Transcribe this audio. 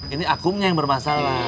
ini akumnya yang bermasalah